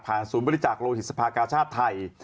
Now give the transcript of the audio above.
ศูนย์บริจาคโลหิตสภากาชาติไทย